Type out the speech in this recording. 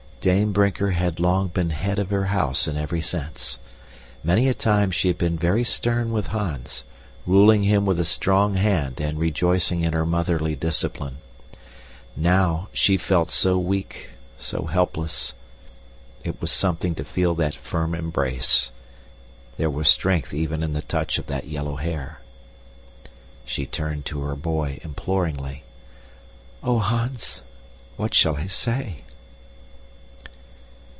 Dame Brinker had long been head of her house in every sense. Many a time she had been very stern with Hans, ruling him with a strong hand and rejoicing in her motherly discipline. NOW she felt so weak, so helpless. It was something to feel that firm embrace. There was strength even in the touch of that yellow hair. She turned to her boy imploringly. "Oh, Hans! What shall I say?"